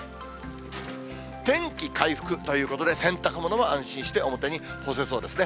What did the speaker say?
天気回復ということで、洗濯物は安心して表に干せそうですね。